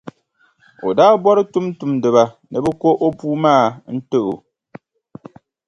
O daa bɔri tumtumdiba ni bɛ ko o puu maa n-ti o.